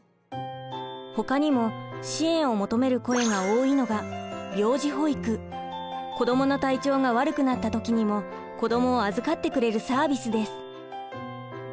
ほかにも支援を求める声が多いのが子どもの体調が悪くなった時にも子どもを預かってくれるサービスです。